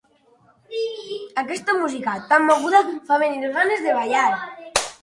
Aquesta música tan moguda fa venir ganes de ballar.